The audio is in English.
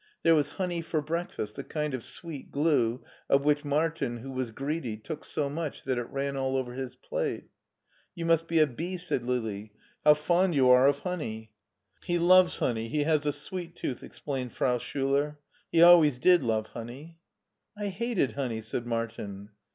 There was honey for breakfast, a kind of sweet glue, of which Martin, who was greedy, took so much that it ran all over his plate. "You must be a bee," said Lili; "how fond you are of honey.*' " He loves honey, he has a sweet tooth," explained Frau Schiiler; "he always did love honey." "I hated honey," said Martin.